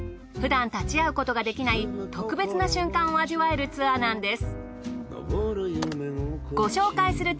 ふだん立ち合うことができない特別な瞬間を味わえるツアーなんです。